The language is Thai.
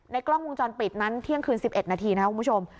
กล้องวงจรปิดนั้นเที่ยงคืน๑๑นาทีนะครับคุณผู้ชม